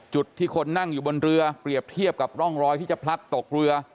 จุดที่คนนั่งอยู่บนเรือเปรียบเทียบกับร่องรอยที่จะพลัดตกเรือ